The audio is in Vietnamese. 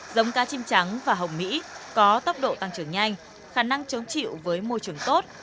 giống cá chim trắng và hồng mỹ có tốc độ tăng trưởng nhanh khả năng chống chịu với môi trường tốt